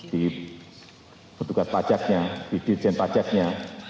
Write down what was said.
di petugas pajaknya di dirjen pajaknya